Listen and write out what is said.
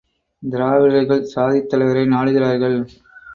திராவிடர்கள் சாதித் தலைவரை நாடுகிறார்கள்!